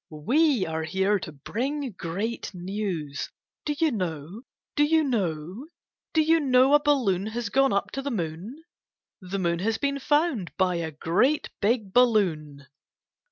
We are here to bring great news ! Do you know —! Do you know —! Do you know a balloon Has gone up to the moon ! The moon has been found By a great, big balloon.